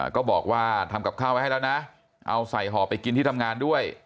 ก็บอกว่าทำกับข้าวไว้ให้แล้วนะเอาใส่ห่อไปกินที่ทำงานด้วย